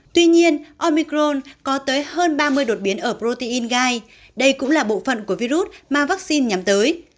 tuy nhiên omicron có tới hơn ba mươi đột biến ở protein gai đây cũng là bộ phận của virus mà vaccine nhắm tới